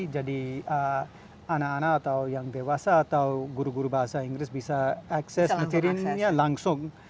jadi anak anak atau yang dewasa atau guru guru bahasa inggris bisa akses materinya langsung